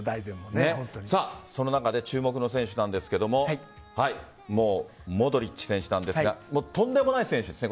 その中で注目の選手なんですがモドリッチ選手なんですがとんでもない選手ですね